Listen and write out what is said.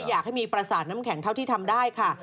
อยากให้มีประสาทน้ำแข็งเท่าที่ทำได้ค่ะ